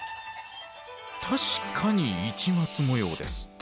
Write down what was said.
確かに市松模様です。